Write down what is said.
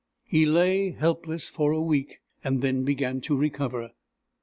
He lay helpless for a week, and then began to recover.